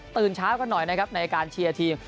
ตื่นเช้ากันหน่อยนะครับในการเชียร์ทีม